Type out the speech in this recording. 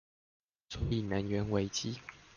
所以能源危機